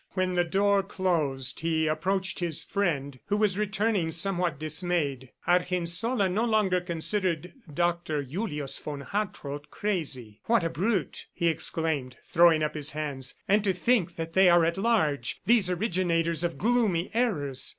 ... When the door closed, he approached his friend who was returning somewhat dismayed. Argensola no longer considered Doctor Julius von Hartrott crazy. "What a brute!" he exclaimed, throwing up his hands. "And to think that they are at large, these originators of gloomy errors!